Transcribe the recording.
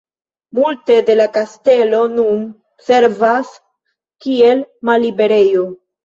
Multe de la kastelo nun servas kiel malliberejo.